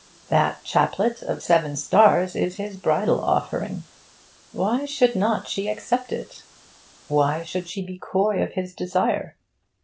That chaplet of seven stars is his bridal offering. Why should not she accept it? Why should she be coy of his desire?